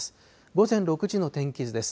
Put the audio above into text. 午前６時の天気図です。